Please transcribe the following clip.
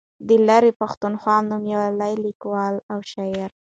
د لرې پښتونخوا نومیالی لیکوال او شاعر